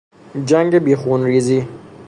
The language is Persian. جنگ بیخونریزی